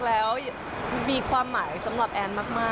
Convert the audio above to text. แล้วมีความหมายสำหรับแอนมาก